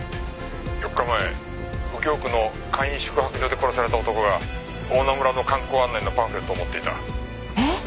「４日前右京区の簡易宿泊所で殺された男が大菜村の観光案内のパンフレットを持っていた」えっ？